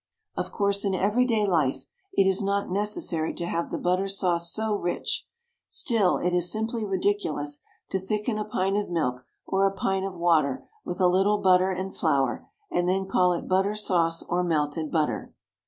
Of course, in everyday life it is not necessary to have the butter sauce so rich, still it is simply ridiculous to thicken a pint of milk, or a pint of water, with a little butter and flour, and then call it butter sauce or melted butter.